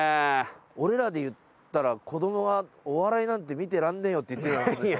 俺らで言ったら子どもが「お笑いなんて見てらんねぇよ」って言ってるようなもんでしょ。